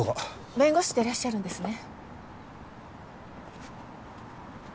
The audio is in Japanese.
弁護士でいらっしゃるんですね？